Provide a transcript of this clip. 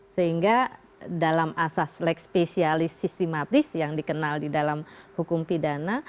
sehingga dalam asas leg spesialis sistematis yang dikenal di dalam hukum pidana